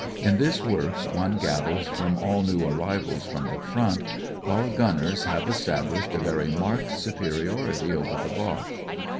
In this work, one gathers from all new arrivals from the fiwnt, our gunners have established a very marked superiority over the Boche.